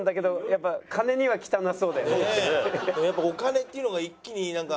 やっぱお金っていうのが一気になんか。